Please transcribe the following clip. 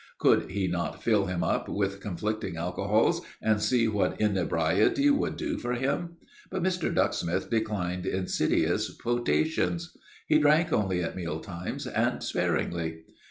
Could he not fill him up with conflicting alcohols, and see what inebriety would do for him? But Mr. Ducksmith declined insidious potations. He drank only at meal times, and sparingly.